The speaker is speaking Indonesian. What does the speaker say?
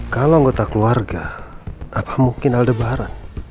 kalau anggota keluarga apa mungkin aldebaran